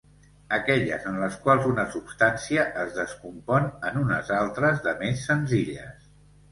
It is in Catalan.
Aquelles en les quals una substància es descompon en unes altres de més senzilles.